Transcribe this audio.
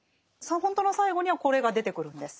本当の最後にはこれが出てくるんです。